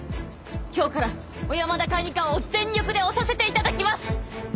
今日から小山田管理官を全力で推させて頂きます！